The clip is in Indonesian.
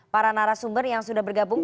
para narasumber yang sudah bergabung